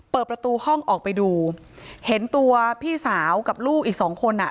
เปิดประตูห้องออกไปดูเห็นตัวพี่สาวกับลูกอีกสองคนอ่ะ